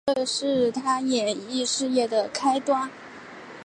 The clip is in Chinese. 这是她演艺事业的开端。